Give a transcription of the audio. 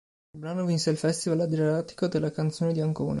Il brano vinse il Festival Adriatico della Canzone di Ancona.